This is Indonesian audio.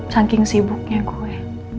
saking sibuknya gue